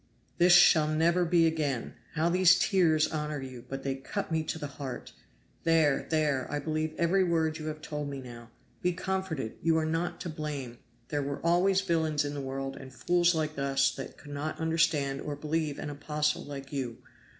"This shall never be again. How these tears honor you! but they cut me to the heart. There! there! I believe every word you have told me now. Be comforted! you are not to blame! there were always villains in the world and fools like us that could not understand or believe in an apostle like you.